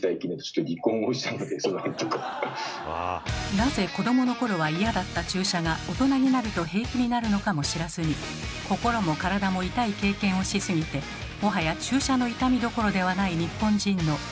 なぜ子どものころは嫌だった注射が大人になると平気になるのかも知らずに心も体も痛い経験をしすぎてもはや注射の痛みどころではない日本人のなんと多いことか。